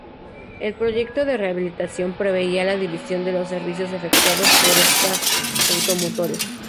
El proyecto de rehabilitación preveía la división de los servicios efectuados por estas automotores.